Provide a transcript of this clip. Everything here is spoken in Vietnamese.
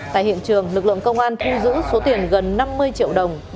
tại hiện trường lực lượng công an thu giữ số tiền gần năm mươi triệu đồng